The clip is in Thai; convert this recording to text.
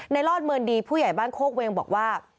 รอดเมินดีผู้ใหญ่บ้านโคกเวงบอกว่า